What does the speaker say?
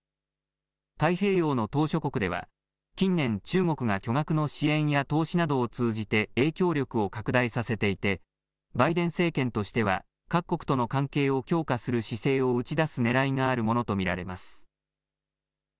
太平洋の島しょ国では近年、中国が巨額の支援や投資などを通じて影響力を拡大させていてバイデン政権としては各国との関係を強化する姿勢を打ち出すねらいがあるものと見られます。